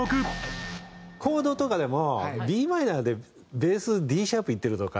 コードとかでもＤマイナーでベースＤシャープいってるとか。